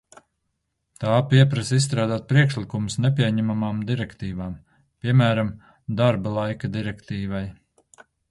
Tā pieprasa izstrādāt priekšlikumus nepieņemamām direktīvām, piemēram, darba laika direktīvai.